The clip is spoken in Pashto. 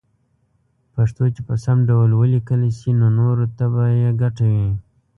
پښتو چې په سم ډول وليکلې شي نو نوره ته به يې ګټه وي